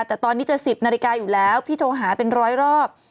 แต่ตอนนี้จะ๑๐นาฬิกาอยู่แล้วพี่โทรหาเป็นร้อยรอบ